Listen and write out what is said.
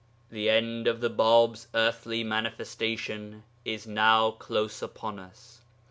The end of the Bāb's earthly Manifestation is now close upon us.